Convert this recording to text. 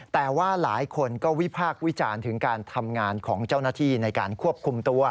แต่ว่าหลายคนก็วิพากษ์วิจารณ์ถึงการทำงานของเจ้าหน้าที่ในการควบคุมตัว